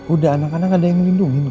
udah anak anak ada yang melindungi